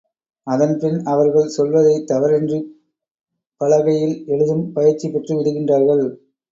அதன்பின் அவர்கள் சொல்வதைத் தவறின்றிப் பலகையில் எழுதும் பயிற்சிபெற்று விடுகின்றார்கள்.